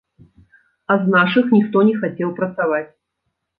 А з нашых ніхто не хацеў працаваць.